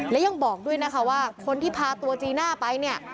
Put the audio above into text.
และยังบอกด้วยนะคะว่าคนที่พาตัวจีน่าไปเนี่ย